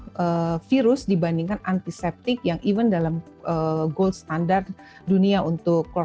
pvpi mampu membunuh virus dibandingkan antiseptik yang even dalam gold standard dunia untuk korpsan